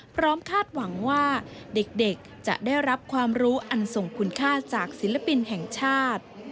คาดหวังว่าเด็กจะได้รับความรู้อันทรงคุณค่าจากศิลปินแห่งชาติ